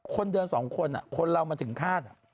คนเดินสองคนคนเรามันถึงคาด